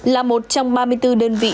là một trong ba mươi bốn đơn vị